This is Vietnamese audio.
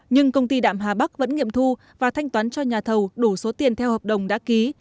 nhưng công ty đạm hà bắc vẫn nghiệm thu và thanh toán cho nhà thầu đủ số tiền theo hợp đồng đã ký